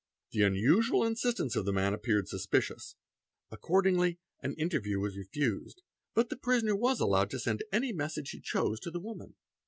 'The unusual insistence of the man appeared suspicious; accordingly an inter view was refused, but the prisoner was allowed to send any message he chose to the woman.